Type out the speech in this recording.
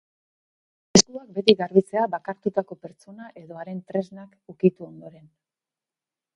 Eskuak beti garbitzea bakartutako pertsona edo haren tresnak ukitu ondoren.